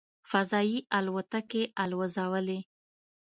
"فضايي الوتکې" الوځولې.